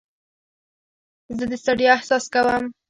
زه د ستړیا احساس کوم.